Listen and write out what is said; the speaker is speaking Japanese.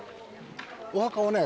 お墓はね